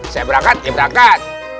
saya berangkat dia berangkat